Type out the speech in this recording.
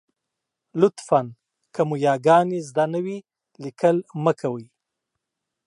لطفاً! که مو یاګانې زده نه وي، لیکل مه کوئ.